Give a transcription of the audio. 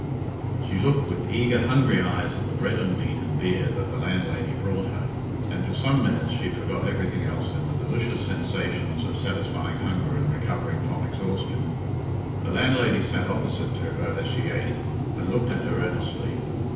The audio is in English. She looked with eager, hungry eyes at the bread and meat and beer that the landlady brought her, and for some minutes she forgot everything else in the delicious sensations of satisfying hunger and recovering from exhaustion. The landlady sat opposite to her as she ate, and looked at her earnestly.